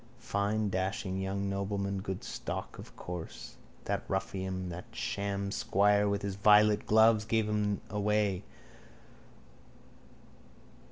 Fine dashing young nobleman. Good stock, of course. That ruffian, that sham squire, with his violet gloves gave him away.